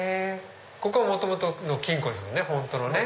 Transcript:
ここは元々の金庫ですもんね。